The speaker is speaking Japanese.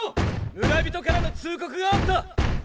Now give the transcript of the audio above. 村人からの通告があった！